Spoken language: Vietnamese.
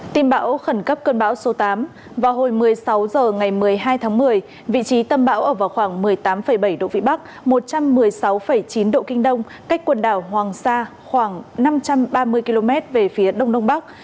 tin bão khẩn cấp cơn bão số tám vào hồi một mươi sáu h ngày một mươi hai tháng một mươi vị trí tâm bão ở vào khoảng một mươi tám bảy độ vĩ bắc một trăm một mươi sáu chín độ kinh đông cách quần đảo hoàng sa khoảng năm trăm ba mươi km về phía đông đông bắc